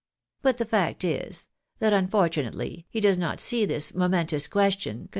But the fact is, that unfortunately he does not see this momentous question con TRAVELLING OR GEMS.